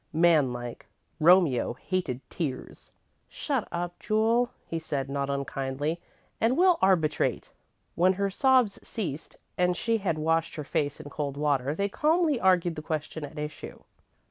Man like, Romeo hated tears. "Shut up, Jule," he said, not unkindly, "and we'll arbitrate." When her sobs ceased and she had washed her face in cold water, they calmly argued the question at issue.